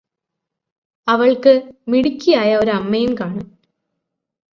അവള്ക്ക് മിടുക്കിയായ ഒരമ്മയും കാണും